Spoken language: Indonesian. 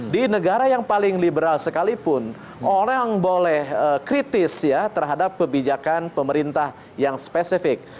di negara yang paling liberal sekalipun orang boleh kritis ya terhadap kebijakan pemerintah yang spesifik